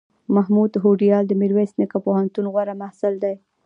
محمود هوډیال دمیرویس نیکه پوهنتون غوره محصل دی